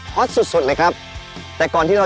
อตสุดสุดเลยครับแต่ก่อนที่เรา